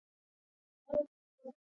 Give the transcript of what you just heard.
بادام د افغانستان د بڼوالۍ برخه ده.